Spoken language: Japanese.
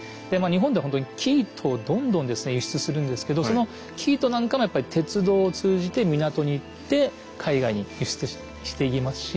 日本ではほんとに生糸をどんどん輸出するんですけどその生糸なんかもやっぱり鉄道を通じて港に行って海外に輸出していきますし。